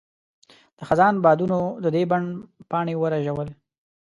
د خزان بادونو د دې بڼ پاڼې ورژول.